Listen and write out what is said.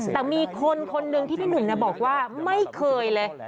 แต่มีคนคนหนึ่งที่พี่หนุ่มบอกว่าไม่เคยเลย